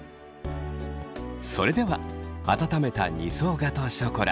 それでは温めた２層ガトーショコラ。